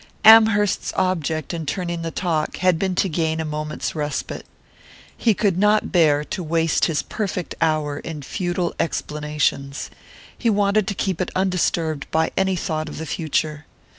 Amherst's object in turning the talk had been to gain a moment's respite. He could not bear to waste his perfect hour in futile explanations: he wanted to keep it undisturbed by any thought of the future.